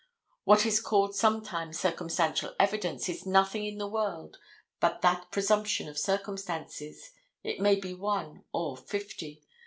What is called sometimes circumstantial evidence is nothing in the world but that presumption of circumstances, it may be one or fifty.